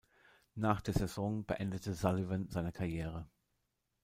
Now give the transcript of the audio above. Nach der Saison beendete Sullivan seine Karriere.